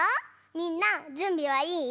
みんなじゅんびはいい？